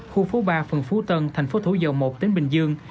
khu phố ba phường phú tân thành phố thủ dầu một tỉnh bình dương